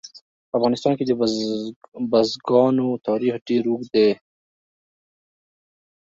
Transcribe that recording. په افغانستان کې د بزګانو تاریخ ډېر اوږد دی.